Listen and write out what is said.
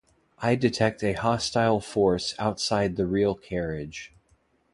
I detect a hostile force outside the rail carriage.